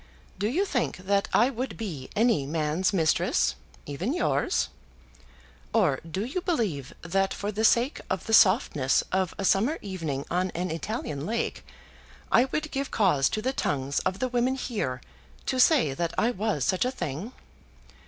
Do you think that I would be any man's mistress; even yours? Or do you believe that for the sake of the softness of a summer evening on an Italian lake, I would give cause to the tongues of the women here to say that I was such a thing?